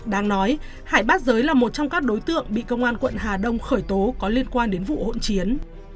đáng nói hải bắt giới là một trong các đối tượng bị công an quận hà đông khởi tố có liên quan đến vụ hỗn chiến